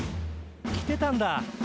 来てたんだ！